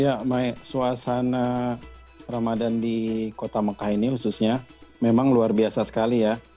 ya maik suasana ramadan di kota mekah ini khususnya memang luar biasa sekali ya